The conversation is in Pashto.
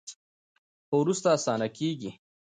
خو وروسته اسانه کیږي.